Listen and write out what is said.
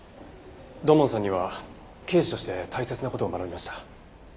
土門さんには刑事として大切な事を学びました。